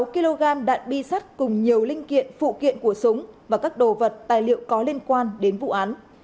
một kg đạn bi sắt cùng nhiều linh kiện phụ kiện của súng và các đồ vật tài liệu có liên quan đến vụ án